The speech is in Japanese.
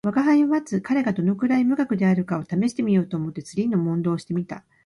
吾輩はまず彼がどのくらい無学であるかを試してみようと思って左の問答をして見た